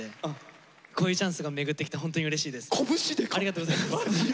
ありがとうございます。